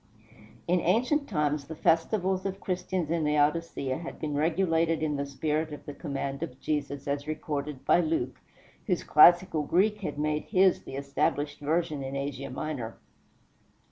In ancient times the festivals of Christians in Laodicea had been regulated in the spirit of the command of Jesus, as recorded by Luke, whose classical Greek had made his the established version in Asia Minor.